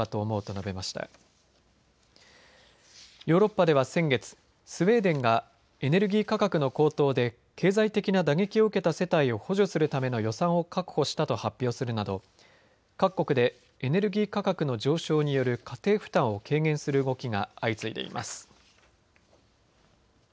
ヨーロッパでは先月、スウェーデンがエネルギー価格の高騰で経済的な打撃を受けた世帯を補助するための予算を確保したと発表するなど各国でエネルギー価格の上昇による家庭負担を軽減する動きが相次いでいます。